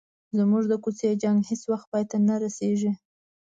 زموږ د کوڅې جنګ هیڅ وخت پای ته نه رسيږي.